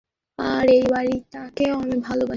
আর এই বাড়িটাকেও আমি ভালোবাসি।